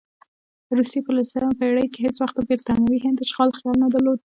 روسیې په نولسمه پېړۍ کې هېڅ وخت د برټانوي هند اشغال خیال نه درلود.